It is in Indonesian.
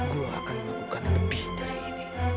gue akan melakukan lebih dari ini